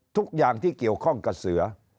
ทุกอย่างที่เกี่ยวข้องกับเสือ